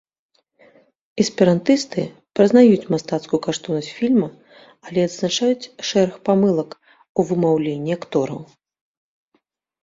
Эсперантысты прызнаюць мастацкую каштоўнасць фільма, але адзначаюць шэраг памылак у вымаўленні актораў.